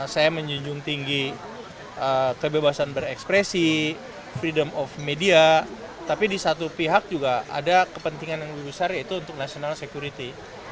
saya menjunjung tinggi kebebasan berekspresi freedom of media tapi di satu pihak juga ada kepentingan yang lebih besar yaitu untuk national security